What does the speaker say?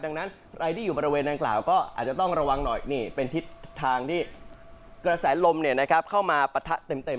ดังนั้นใครที่อยู่บริเวณนางกล่าวก็อาจจะต้องระวังหน่อยนี่เป็นทิศทางที่กระแสลมเข้ามาปะทะเต็ม